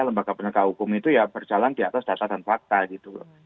kalau tidak benar benar hukum itu ya berjalan di atas data dan fakta gitu loh